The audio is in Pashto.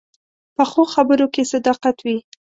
پخو خبرو کې صداقت وي